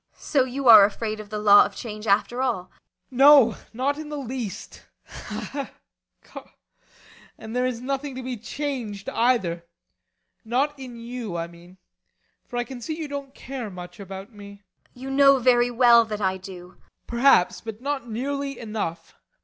] So you are afraid of the law of change, after all? BORGHEIM. No, not in the least. [Laughing bitterly.] And there is nothing to be changed, either not in you, I mean. For I can see you don't care much about me. ASTA. You know very well that I do. BORGHEIM. Perhaps, but not nearly enough.